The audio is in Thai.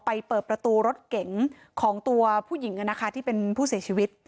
เปิดประตูรถเก๋งของตัวผู้หญิงที่เป็นผู้เสียชีวิต